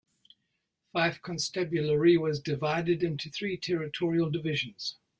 Fife Constabulary was divided into three Territorial Divisions.